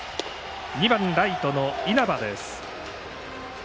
２番ライトの稲葉です。